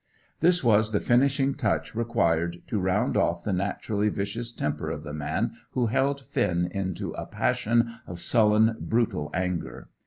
This was the finishing touch required to round off the naturally vicious temper of the man who held Finn into a passion of sullen, brutal anger.